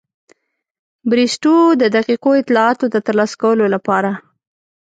بریسټو د دقیقو اطلاعاتو د ترلاسه کولو لپاره.